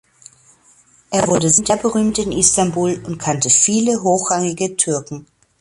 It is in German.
Er wurde sehr berühmt in Istanbul und kannte viele hochrangige Türken.